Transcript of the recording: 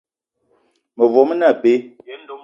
Mevo me ne abe.